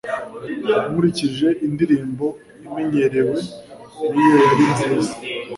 Nkurikije indirimbo imenyerewe niyo yari nziza